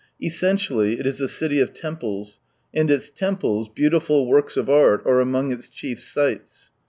Essentially it is a city of temples, and its temples, beautiful works of art, are among its chief sights.